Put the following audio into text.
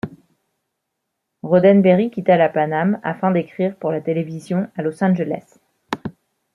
Roddenberry quitta la Pan Am afin d'écrire pour la télévision à Los Angeles.